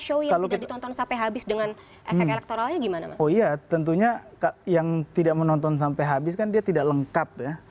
oh iya tentunya yang tidak menonton sampai habis kan dia tidak lengkap ya